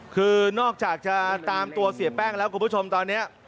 คือนอกจากจะตามตัวเสียแป้งแล้วคุณผู้ชมตอนนี้